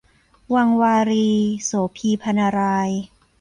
วังวารี - โสภี พรรณราย